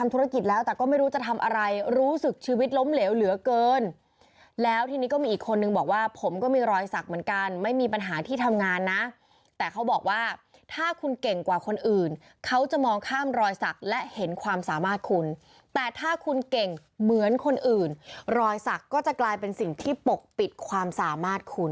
ธุรกิจแล้วแต่ก็ไม่รู้จะทำอะไรรู้สึกชีวิตล้มเหลวเหลือเกินแล้วทีนี้ก็มีอีกคนนึงบอกว่าผมก็มีรอยสักเหมือนกันไม่มีปัญหาที่ทำงานนะแต่เขาบอกว่าถ้าคุณเก่งกว่าคนอื่นเขาจะมองข้ามรอยศักดิ์และเห็นความสามารถคุณแต่ถ้าคุณเก่งเหมือนคนอื่นรอยสักก็จะกลายเป็นสิ่งที่ปกปิดความสามารถคุณ